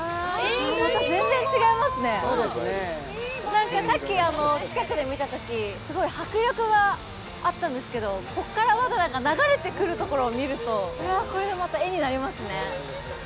なんかさっき近くで見たとき、すごい迫力があったんですけど、ここから流れてくるところを見ると、これはこれでまた絵になりますね。